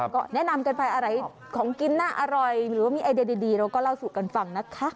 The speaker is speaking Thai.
ก็แนะนำกันไปอะไรของกินน่าอร่อยหรือว่ามีไอเดียดีเราก็เล่าสู่กันฟังนะคะ